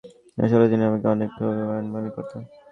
আসলে তিনি আমাকে অনেক সৌভাগ্যবান মনে করতেন।